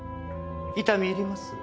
痛み入ります。